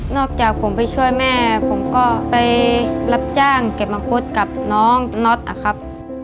จากผมไปช่วยแม่ผมก็ไปรับจ้างเก็บมังคุดกับน้องน็อตนะครับ